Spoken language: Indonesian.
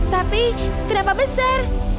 tapi kenapa besar